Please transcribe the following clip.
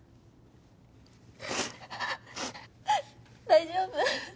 大丈夫？